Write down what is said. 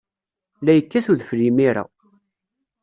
La yekkat udfel imir-a.